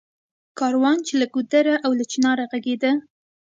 کاروان چــــې له ګـــــودره او له چنار غـــږېده